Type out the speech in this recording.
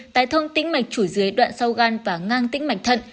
tái thông tĩnh mạch chủ dưới đoạn sau gan và ngang tĩnh mạch thận